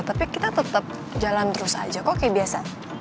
tapi kita tetap jalan terus aja kok kayak biasa